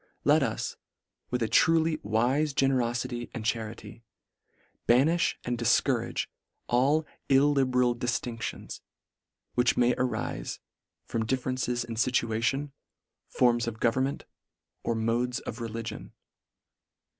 Let us, with a truly wife generoiity and charity, banirti and dil courage all illiberal diftinctions, which may arife from differences in iituation, forms of government, or modes of religion.